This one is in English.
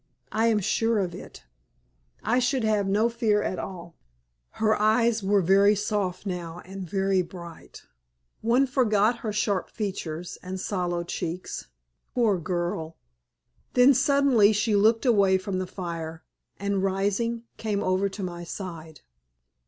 I am sure of it. I should have no fear at all." Her eyes were very soft now and very bright. One forgot her sharp features and sallow cheeks. Poor girl! Then suddenly she looked away from the fire, and, rising, came over to my side.